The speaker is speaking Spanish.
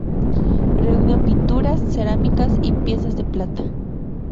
Reunió pinturas, cerámicas y piezas de plata.